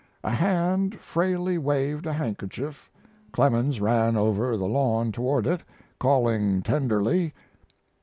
A hand frailly waved a handkerchief; Clemens ran over the lawn toward it, calling tenderly."